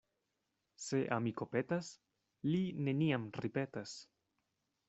Se amiko petas, li neniam ripetas.